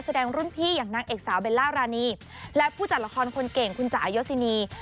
แสดงรุ่นพี่อย่างนางเอกสาวเบลล่ารานีและผู้จัดละครคนเก่งคุณจ่ายศินี